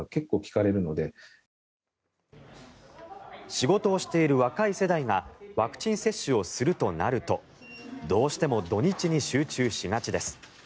仕事をしている若い世代がワクチン接種をするとなるとどうしても土日に集中しがちです。